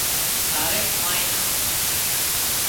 ڪاريڪ ڪانئين نا